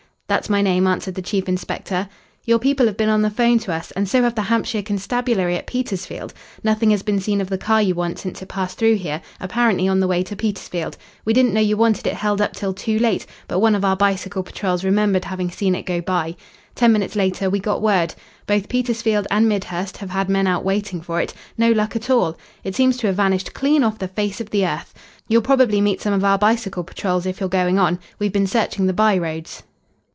"That's my name," answered the chief inspector. "Your people have been on the 'phone to us, and so have the Hampshire Constabulary at Petersfield. Nothing has been seen of the car you want since it passed through here, apparently on the way to Petersfield. We didn't know you wanted it held up till too late, but one of our bicycle patrols remembered having seen it go by. Ten minutes later, we got word. Both Petersfield and Midhurst have had men out waiting for it. No luck at all. It seems to have vanished clean off the face of the earth. You'll probably meet some of our bicycle patrols if you're going on. We've been searching the by roads."